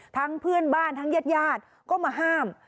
ทั้งเพื่อนบ้านทั้งเย็ดก็มาห้าม